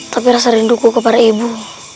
tapi rasa rinduku kepada ibu